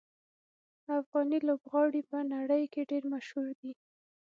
افغاني لوبغاړي په نړۍ کې ډېر مشهور دي.